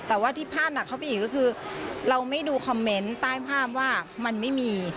แต่ว่าที่พลาดหนักเข้าไปอีกก็คือเราไม่ดูคอมเมนต์ใต้ภาพว่ามันไม่มี